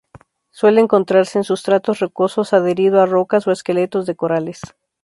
Suele encontrarse en sustratos rocosos, adherido a rocas o esqueletos de corales.